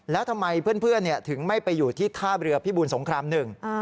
แล้วทำไมเพื่อนถึงไม่ไปอยู่ที่ท่าเรือพิบูรสงครามหนึ่ง